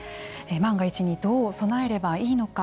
万が一にどう備えればいいのか。